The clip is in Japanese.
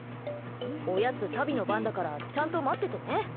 おやつ、タビの番だからちゃんと待っててね。ね。